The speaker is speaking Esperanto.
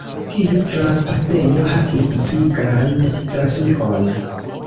Tiu trapasejo havis viglan trafikon.